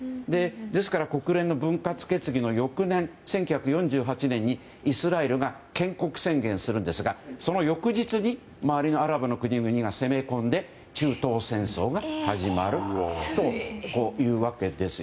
ですから国連の分割決議の翌年１９４８年にイスラエルが建国宣言するんですがその翌日に周りのアラブの国々が攻め込んで中東戦争が始まるというわけです。